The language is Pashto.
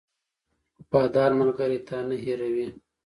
• وفادار ملګری تا نه هېروي.